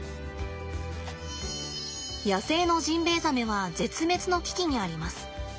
野生のジンベエザメは絶滅の危機にあります。